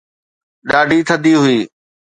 ڏاڍي ٿڌي هئي